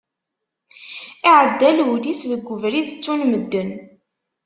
Iεedda Lunis deg ubrid ttun medden.